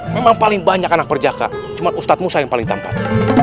memang paling banyak anak perjaka cuma ustadz musa yang paling tampak